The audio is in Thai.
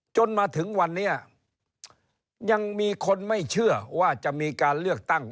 จนมาถึงวันนี้ยังมีคนไม่เชื่อว่าจะมีการเลือกตั้ง